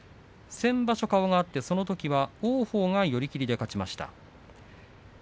先場所、顔があってそのときは王鵬の寄り切りで勝っています。